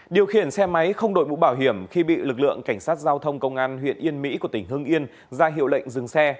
điều khiển xe máy không đội mũ bảo hiểm khi bị lực lượng cảnh sát giao thông công an huyện yên mỹ của tỉnh hưng yên ra hiệu lệnh dừng xe